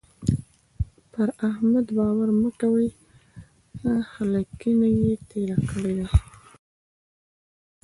پر احمد باور مه کوئ؛ هلکينه يې تېره کړې ده.